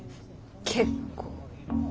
結構。